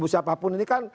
siapapun ini kan